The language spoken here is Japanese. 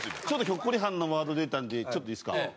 ひょっこりはんのワード出たんでちょっといいですか？